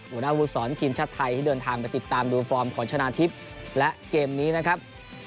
หมู่นาวุวุศรทีมชาชนไทยติดตามดูฟอร์มของชนาทิพย์และเกมนี้นะครับ